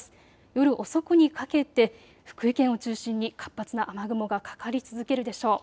夜遅くにかけて福井県を中心に活発な雨雲がかかり続けるでしょう。